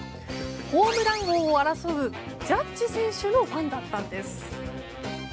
ホームラン王を争うジャッジ選手のファンだったんです。